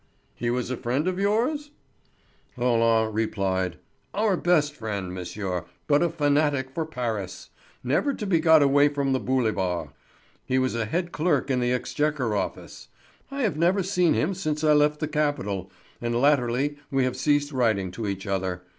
"He was a friend of yours?" Roland replied: "Our best friend, monsieur, but a fanatic for Paris; never to be got away from the boulevard. He was a head clerk in the exchequer office. I have never seen him since I left the capital, and latterly we had ceased writing to each other.